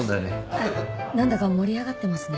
あっなんだか盛り上がってますね。